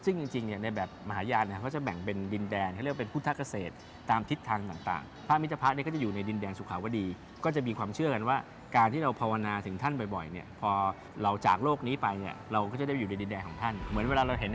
ซึ่งจริงเนี่ยในแบบมหายานเนี่ยก็จะแบ่งเป็นดินแดน